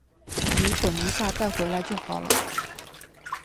你等一下再回来就好了